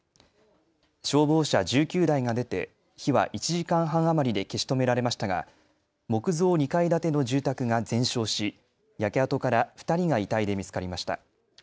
消防車１９台が出て火は１時間半余りで消し止められましたが木造２階建ての住宅が全焼し焼け跡から２人が遺体で見つかりました。